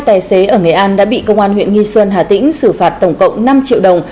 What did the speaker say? tài xế ở nghệ an đã bị công an huyện nghi xuân hà tĩnh xử phạt tổng cộng năm triệu đồng